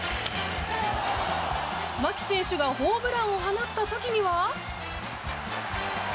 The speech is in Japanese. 牧選手がホームランを放った時には。